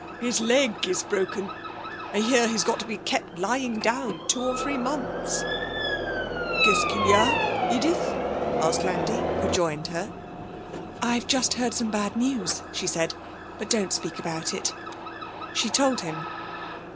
His leg is broken. I hear he's got to be kept lying down two or three months.' 'Qu'est ce qu'il y a, Edith?' asked Landi, who joined her. 'I've just heard some bad news,' she said, 'but don't speak about it.' She told him.